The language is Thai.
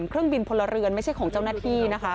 เครื่องบินพลเรือนไม่ใช่ของเจ้าหน้าที่นะคะ